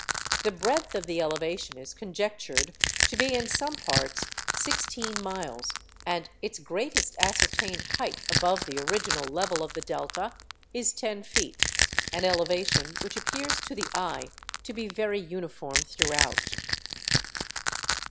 The breadth of the elevation is conjectured to be in some parts sixteen miles, and its greatest ascertained height above the original level of the delta is ten feet—an elevation which appears to the eye to be very uniform throughout.